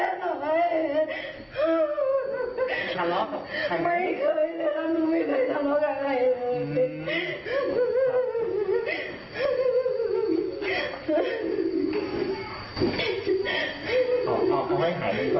ไม่เคยนะครับหนูไม่เคยต่อกับใคร